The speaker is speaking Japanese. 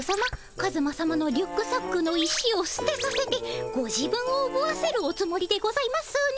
カズマさまのリュックサックの石をすてさせてご自分をおぶわせるおつもりでございますね。